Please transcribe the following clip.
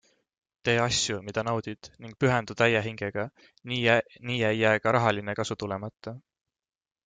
Tee asju, mida naudid, ning pühendu täie hingega - nii ei jää ka rahaline kasu tulemata.